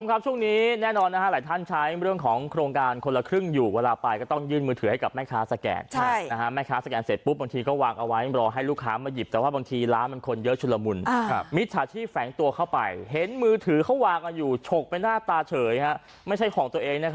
ครับช่วงนี้แน่นอนหลายท่านใช้เรื่องของโครงการคนละครึ่งอยู่เวลาไปก็ต้องยื่นมือถือให้กับแม่ค้าสแกนแม่ค้าสแกนเสร็จปุ๊บบางทีก็วางเอาไว้รอให้ลูกค้ามาหยิบแต่ว่าบางทีร้านมันคนเยอะชุดละมุนมิจฉาชีพแฝงตัวเข้าไปเห็นมือถือเขาวางกันอยู่ฉกไปหน้าตาเฉยไม่ใช่ของตัวเอง